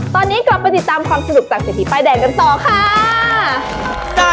ตอนนี้กลับไปติดตามความสนุกจากเศรษฐีป้ายแดงกันต่อค่ะ